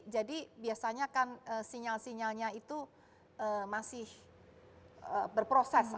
jadi biasanya kan sinyal sinyalnya itu masih berproses